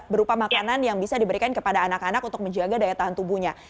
berupa makanan yang bisa diberikan kepada anak anak untuk menjaga daya tahan tubuhnya